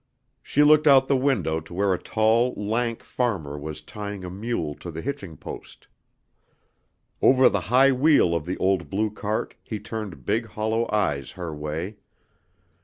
She looked out the window to where a tall lank farmer was tying a mule to the hitching post. Over the high wheel of the old blue cart he turned big hollow eyes her way.